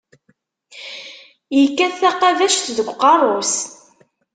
Yekkat taqabact deg uqerru-s.